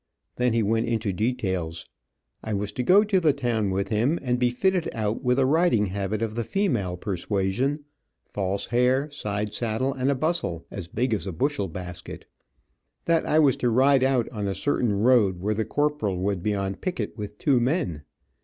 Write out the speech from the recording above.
Then he went into details. I was to go to the town with him, and be fitted out with a riding habit of the female persuasion, false hair, side saddle, and a bustle as big as a bushel basket. That I was to ride out on a certain road, where the corporal would be on picket with two men.